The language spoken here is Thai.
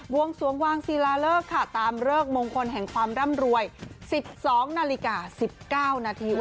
วงสวงวางศิลาเลิกค่ะตามเลิกมงคลแห่งความร่ำรวย๑๒นาฬิกา๑๙นาที